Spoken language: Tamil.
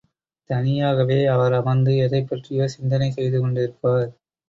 தனியாகவே அவர் அமர்ந்து எதைப் பற்றியோ சிந்தனை செய்து கொண்டே இருப்பார்.